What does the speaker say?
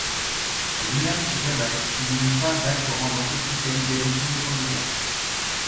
Au Minas Gerais il n'y eut pas d'acte rendant officielle l'élection des candidats.